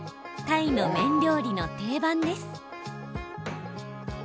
タイの麺料理の定番です。